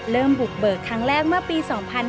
เริ่มบุกเบิกทั้งแรกมาปี๒๕๔๓